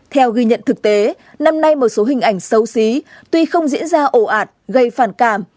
theo ghi nhận thực tế năm nay một số hình ảnh xấu xí tuy không diễn ra ồ ạt gây phản cảm